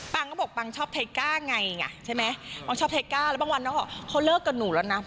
ปางก็บอกปางชอบไทยก้าไงไงใช่ไหมปางชอบไทยก้าแล้วบางวันเขาเขาเลิกกับหนูแล้วนะ